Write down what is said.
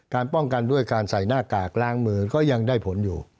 ป้องกันด้วยการใส่หน้ากากล้างมือก็ยังได้ผลอยู่